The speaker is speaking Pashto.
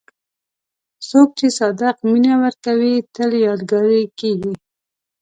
څوک چې صادق مینه ورکوي، تل یادګاري کېږي.